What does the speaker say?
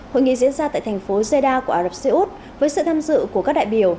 hội nghị diễn ra tại thành phố zeda của ả rập xê út với sự tham dự của các đại biểu